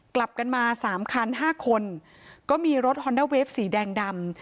กลับกันมาสามคันห้าคนก็มีรถฮอนด้าเวฟสีแดงดำ